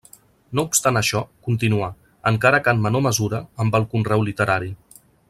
No obstant això continuà, encara que en menor mesura, amb el conreu literari.